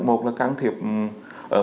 một là can thiệp ở mức độ nhẹ